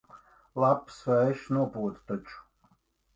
Lapas vējš nopūta taču.